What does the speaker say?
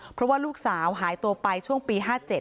เพราะว่าลูกสาวหายตัวไปช่วงปี๕๗